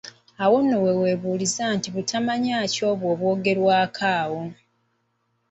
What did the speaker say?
Awo nno we weebuuliza nti butamanya ki obwo obwogerwako awo?